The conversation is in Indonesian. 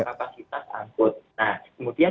kapasitas angkut kemudian